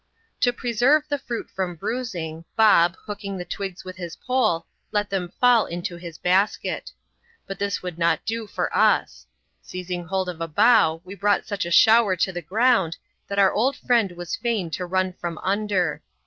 To preserve the fruit from bruising, Bob, hooking the twigs with his pole, let them fall into his basket. But this would not do for us ; seizing hold of a bough, we brought such a shower to the ground, that our old friend was fain to run from under.